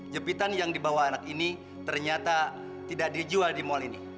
jepitan yang dibawa anak ini ternyata tidak dijual di mal ini